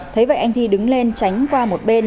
thế vậy anh thi đứng lên tránh qua một bên